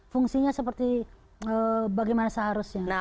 fungsinya seperti bagaimana seharusnya